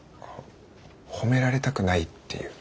褒められたくないっていう？